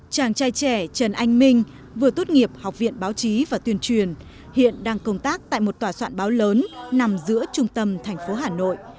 chàng trai trẻ trần anh minh vừa tốt nghiệp học viện báo chí và tuyên truyền hiện đang công tác tại một tòa soạn báo lớn nằm giữa trung tâm thành phố hà nội